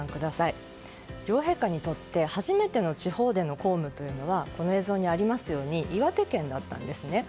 実は両陛下にとって初めての地方での公務というのはこの映像にありますように岩手県だったんですね。